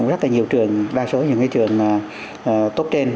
rất là nhiều trường đa số những trường tốt trên